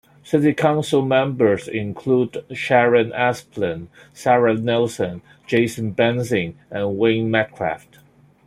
City Council members include Sharon Asplin, Sara Nelson, Jason Benzing, and Wayne Medcraft.